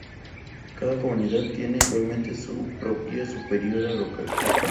Cada comunidad tiene igualmente su propia superiora local.